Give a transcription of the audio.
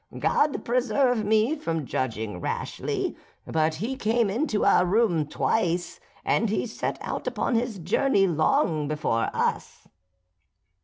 God preserve me from judging rashly, but he came into our room twice, and he set out upon his journey long before us."